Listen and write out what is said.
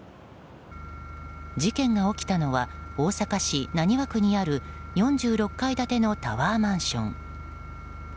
事件が起きたのは大阪市浪速区にある４６階建てのタワーマンション。